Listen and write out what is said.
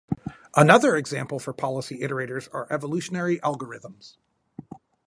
Another example for policy iterators are evolutionary algorithms.